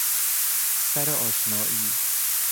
سر ﺁشنائی